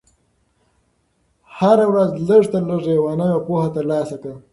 هره ورځ لږ تر لږه یوه نوې پوهه ترلاسه کړه.